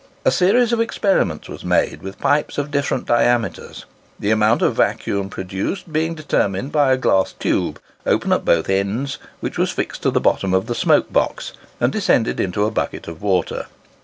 A series of experiments was made with pipes of different diameters; the amount of vacuum produced being determined by a glass tube open at both ends, which was fixed to the bottom of the smoke box, and descended into a bucket of water.